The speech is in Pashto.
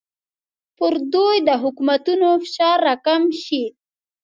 پر دوی د حکومتونو فشار راکم شي.